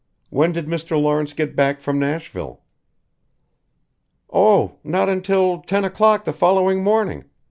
When did Mr. Lawrence get back from Nashville?" "Oh! not until ten o'clock the following morning.